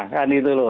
kan itu loh